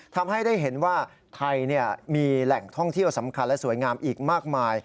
ทำให้ได้เห็นว่าไทยมีแหล่งท่องเที่ยวสำคัญและสวยงามอีกมากมาย